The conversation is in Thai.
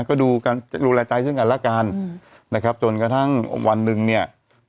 ก็ดูแลใจเช่นกันละกันจนกระทั่งวันหนึ่งเนี่ย